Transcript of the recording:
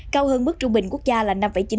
cao hơn mức trung bình quốc gia là năm chín